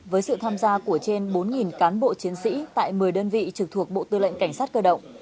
với sự tham gia của trên bốn cán bộ chiến sĩ tại một mươi đơn vị trực thuộc bộ tư lệnh cảnh sát cơ động